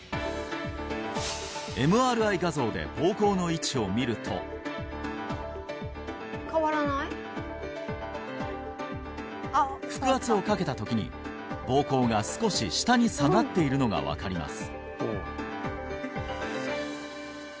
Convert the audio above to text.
ＭＲＩ画像で膀胱の位置を見ると腹圧をかけた時に膀胱が少し下に下がっているのが分かります